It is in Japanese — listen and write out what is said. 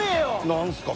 何すか？